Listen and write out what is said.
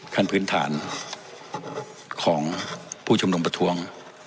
คันพื้นฐานของผู้ชมดงประทวง